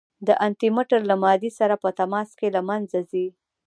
د انټي مټر له مادې سره په تماس کې له منځه ځي.